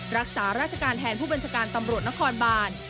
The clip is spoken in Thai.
รักษาราชการแทนผู้บัญชาการตำรวจนครบาน